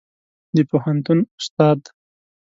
د پوهنتون استاد